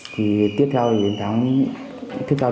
thì tiếp theo thì đến tháng tiếp theo thì cứ thế mà đóng